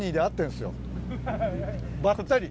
ばったり。